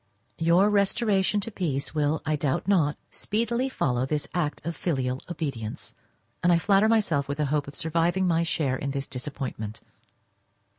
Your restoration to peace will, I doubt not, speedily follow this act of filial obedience, and I flatter myself with the hope of surviving my share in this disappointment.